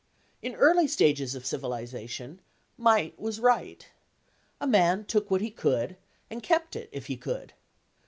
In early stages of civilisation, Might was Right. A man took what he could and kept it if he could.